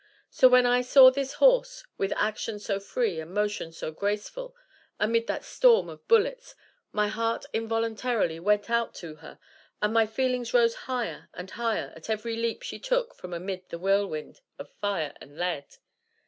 So when I saw this horse, with action so free and motion so graceful, amid that storm of bullets, my heart involuntarily went out to her, and my feelings rose higher and higher at every leap she took from amid the whirlwind of fire and lead.